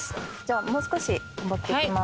もう少し上っていきます。